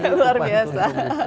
oke luar biasa